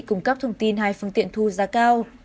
cung cấp thông tin hai phương tiện thu giá cao